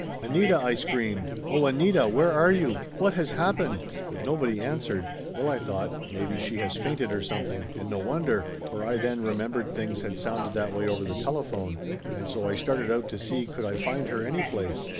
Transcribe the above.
"Anita!" I screamed. "Oh, Anita, where are you? What has happened ?" But nobody answered. Well, I thought, maybe she has fainted or something and no wonder, for I then remembered things had sounded that way over the telephone, and so I started out to see could I find her any place.